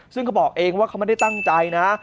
ซึ่งเขาบอกเองว่าเขาไม่ได้ตั้งใจนะ